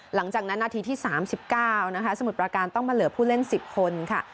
นาทีที่๓๙นะคะสมุทรประการต้องมาเหลือผู้เล่น๑๐คนค่ะ